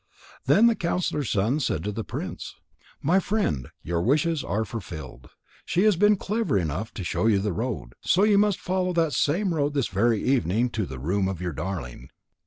Then the counsellor's son said to the prince: "My friend, your wishes are fulfilled. She has been clever enough to show you the road. So you must follow that same road this very evening to the room of your darling."